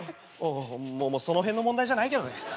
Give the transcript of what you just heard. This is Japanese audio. その辺の問題じゃないけどね。